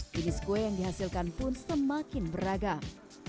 jenis kue yang dihasilkan pun semakin beragam